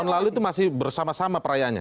jadi masih bersama sama perayanya